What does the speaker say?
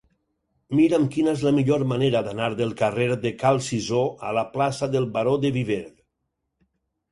Mira'm quina és la millor manera d'anar del carrer de Cal Cisó a la plaça del Baró de Viver.